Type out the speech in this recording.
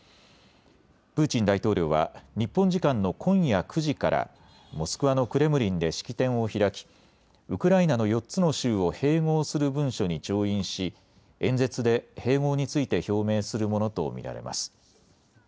プーチン大統領は日本時間の今夜９時からモスクワのクレムリンで式典を開きウクライナの４つの州を併合する文書に調印し演説で併合について表明するものと見られます。